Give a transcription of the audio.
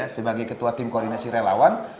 sebagai ketua tim koordinasi relawan